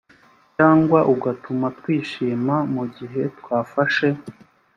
cyangwa ugatuma twishima mu gihe twafashe